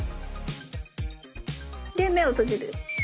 で目を閉じる。